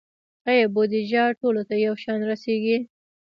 آیا بودیجه ټولو ته یو شان رسیږي؟